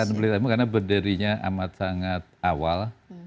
yayasan pelita ilmu karena berdirinya amat sangat awal